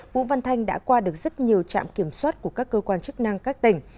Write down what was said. vũ văn thanh đã qua được rất nhiều trạm kiểm soát của các cơ quan chức năng các tỉnh